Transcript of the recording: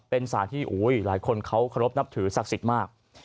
เป็นสารที่หลายคนเขาเคารพนับถือศักดิ์สิทธิ์มาก